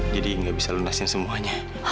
jadi nggak bisa lunasin semuanya